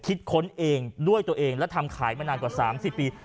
คิดค้นเองด้วยตัวเองแล้วทำขายมานานกว่าสามสิบปี